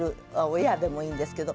親でもいいんですけど。